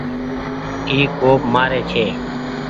اي ڪوپ مآري ڇي۔